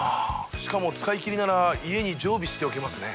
しかも使いきりなら家に常備しておけますね。